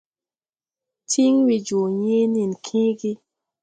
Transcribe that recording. Tin weejoo yee nen kęę ge.